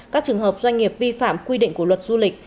các trường hợp doanh nghiệp vi phạm quy định của luật du lịch